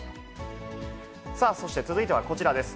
そして続いては、こちらです。